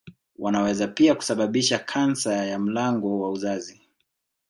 Wanaweza pia kusababisha kansa ya mlango wa uzazi